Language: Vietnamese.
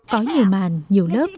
có nhiều màn nhiều lớp